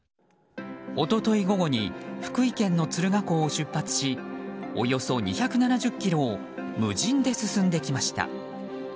一昨日午後に福井県の敦賀港を出発しおよそ２７０ｋｍを無人で進んできました。